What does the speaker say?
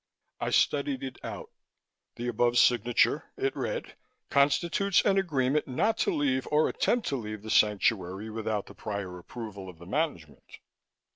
I studied it out. "The above signature," it read, "constitutes an agreement not to leave or attempt to leave The Sanctuary without the prior approval of the Management."